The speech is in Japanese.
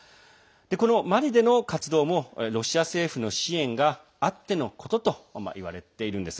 このマリでの活動もロシア政府の支援があってのことといわれているんです。